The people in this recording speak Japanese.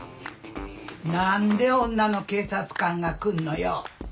何で女の警察官が来んのよ。